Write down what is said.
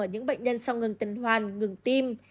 ở những bệnh nhân sau ngừng tân hoàn ngừng tim